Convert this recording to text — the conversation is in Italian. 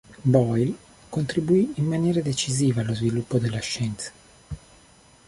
Boyle contribuì in maniera decisiva allo sviluppo della scienza.